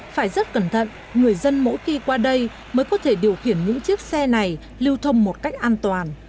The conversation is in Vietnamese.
phải rất cẩn thận người dân mỗi khi qua đây mới có thể điều khiển những chiếc xe này lưu thông một cách an toàn